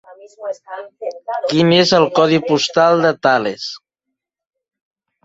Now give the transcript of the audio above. Quin és el codi postal de Tales?